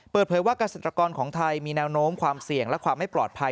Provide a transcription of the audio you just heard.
เปิดเผยว่าเกษตรกรของไทยมีแนวโน้มความเสี่ยงและความไม่ปลอดภัย